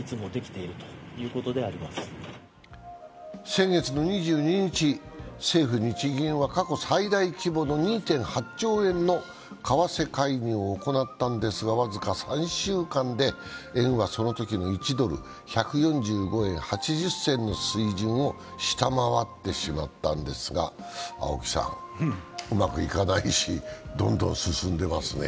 先月２２日、政府・日銀は過去最大規模の２．８兆円の為替介入を行ったんですが、僅か３週間で円はそのときの１ドル＝１４５円８０銭の水準を下回ってしまったんですがうまくいかないし、どんどん進んでますね。